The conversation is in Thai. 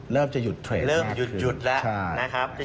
เริ่มจะหยุดเทรดมากขึ้นใช่ครับเริ่มหยุดแล้ว